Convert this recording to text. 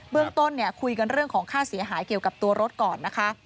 เรื่องต้นคุยกันเรื่องของค่าเสียหายเกี่ยวกับตัวรถก่อนนะคะ